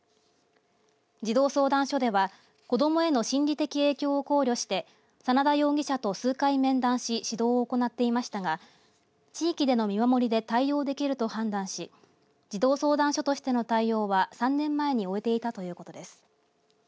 児童相談所では子どもへの心理的影響を考慮して眞田容疑者と数回面談し指導を行っていましたが地域での見守りで対応できると判断し児童相談所としての対応は３年前に終えていたということです。